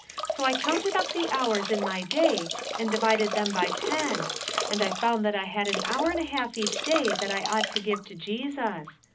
So 171 MAG AND MARGARET I counted up the hours in my day and divided them by ten, and I found that I had an hour and a half each day that I ought to give to Jesus.